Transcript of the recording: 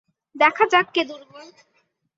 দেখা যাক কে দুর্বল।